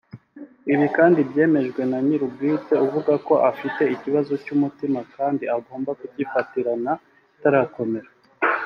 Ibi kandi byemejwe na nyir’ubwite uvuga ko afite ikibazo cy’umutima kandi agomba kugifatirana kitarakomera